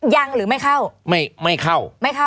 ยังหรือไม่เข้าไม่เข้า